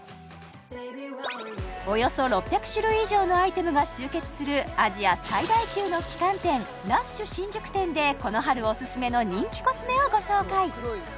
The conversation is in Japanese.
およそ６００種類以上のアイテムが集結するアジア最大級の旗艦店ＬＵＳＨ新宿店でこの春おすすめの人気コスメをご紹介